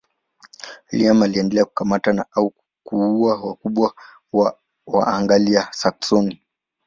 William aliendelea kukamata au kuua wakubwa wa Waanglia-Saksoni.